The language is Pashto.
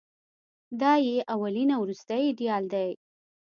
دای یې اولین او وروستۍ ایډیال دی.